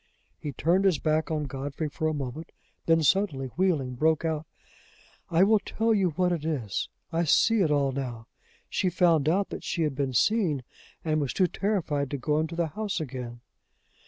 He turned his back on Godfrey for a moment, then, suddenly wheeling, broke out: "I will tell you what it is; I see it all now; she found out that she had been seen, and was too terrified to go into the house again!